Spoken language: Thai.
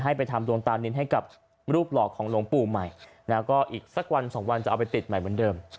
ไปทำดวงตานินให้กับรูปหลอกของหลวงปู่ใหม่แล้วก็อีกสักวันสองวันจะเอาไปติดใหม่เหมือนเดิม